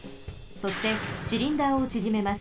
そしてシリンダーをちぢめます。